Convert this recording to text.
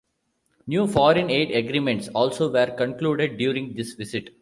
New foreign aid agreements also were concluded during this visit.